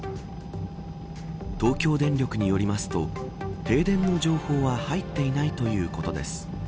東京電力によりますと停電の情報は入っていないということです。